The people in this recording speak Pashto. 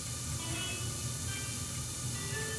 کبابي ته مخامخ يوه پخوانۍ راډیو اېښودل شوې ده.